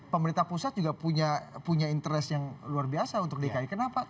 pemerintah pusat juga punya interest yang luar biasa untuk dki kenapa